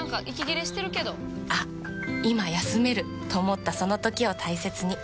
あっ今休めると思ったその時を大切に。